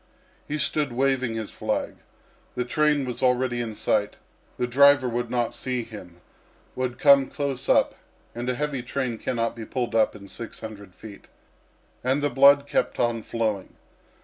He stood waving his flag. The train was already in sight. The driver would not see him would come close up, and a heavy train cannot be pulled up in six hundred feet. And the blood kept on flowing.